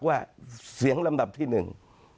ว่าเสียงลำดับที่หนึ่ง